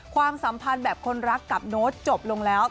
ความสัมพันธ์แบบคนรักกับโน้ตจบลงแล้ว